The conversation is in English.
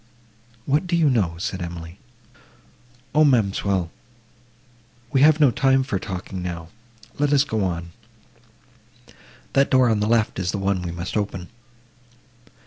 —"What do you know?" said Emily.—"O, ma'amselle, we have no time for talking now; let us go on. That door on the left is the one we must open."